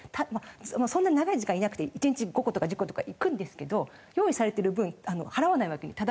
そんなに長い時間いなくて１日５個とか１０個とか行くんですけど用意されてる分払わないわけにタダ食いになってしまうので。